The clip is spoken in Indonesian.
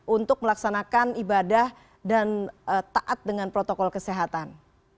untuk melaksanakan ibadah dan taat dengan protokol kesehatan